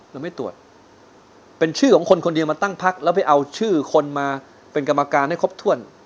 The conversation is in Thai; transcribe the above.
เราไม่ตรวจเป็นชื่อของคนคนเดียวมาตั้งพักแล้วไปเอาชื่อคนมาเป็นกรรมการให้ครบถ้วน